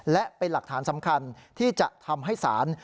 และเป็นหลักฐานสำคัญที่จะทำให้ศาล